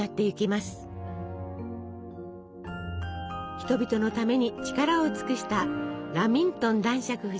人々のために力を尽くしたラミントン男爵夫人。